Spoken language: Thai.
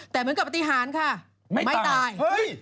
แต่เหมือนกับปฏิหารค่ะไม่ตาย